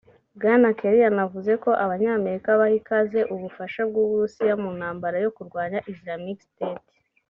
Bwana Kerry yanavuze ko Abanyamerika baha ikaze ubufasha bw’Uburusiya mu ntambara yo kurwanya Islamic State